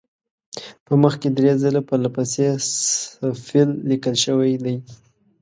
په مخ کې درې ځله پرله پسې صفیل لیکل شوی دی.